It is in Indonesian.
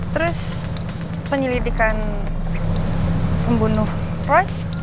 terus penyelidikan pembunuh roy